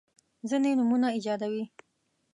ځیني نومونه ایجادوي.